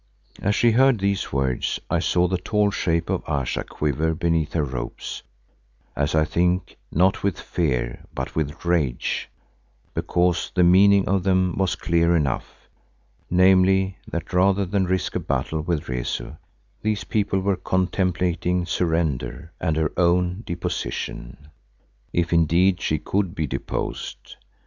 As she heard these words I saw the tall shape of Ayesha quiver beneath her robes, as I think, not with fear but with rage, because the meaning of them was clear enough, namely that rather than risk a battle with Rezu, these people were contemplating surrender and her own deposition, if indeed she could be deposed.